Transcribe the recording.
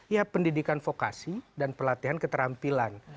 ya pendidikan vokasi dan pelatihan keterampilan